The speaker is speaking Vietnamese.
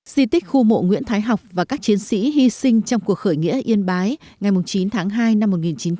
di tích khu mộ nguyễn thái học và các chiến sĩ hy sinh trong cuộc khởi nghĩa yên bái ngày chín tháng hai năm một nghìn chín trăm bảy mươi